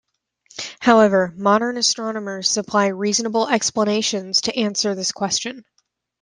However, modern astronomers supply reasonable explanations to answer this question.